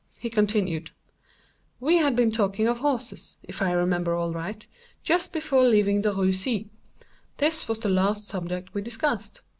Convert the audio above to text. He continued: "We had been talking of horses, if I remember aright, just before leaving the Rue C——. This was the last subject we discussed.